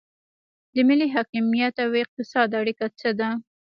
د ملي حاکمیت او اقتصاد اړیکه څه ده؟